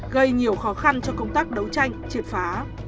gây nhiều khó khăn cho công tác đấu tranh triệt phá